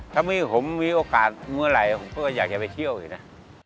ถ้ามีผมมีโอกาสเมื่อไหร่ผมก็อยากจะไปเที่ยวอีกนะ